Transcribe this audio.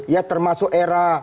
ya termasuk era